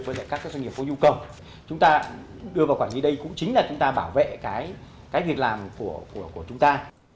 với các doanh nghiệp có nhu cầu chúng ta đưa vào quản lý đây cũng chính là chúng ta bảo vệ cái việc làm của chúng ta